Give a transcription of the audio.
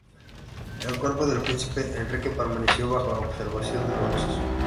El cuerpo del príncipe Enrique permaneció bajo observación de los rusos.